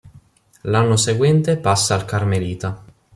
L'anno seguente passa al Carmelita.